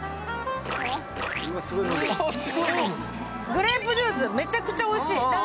グレープジュース、めちゃくちゃおいしい。